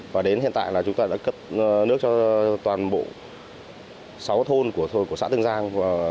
và đến hiện tại là chúng tôi đã cấp nước cho toàn bộ sáu thôn của xã tương giang